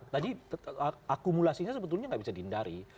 tadi akumulasinya sebetulnya nggak bisa dihindari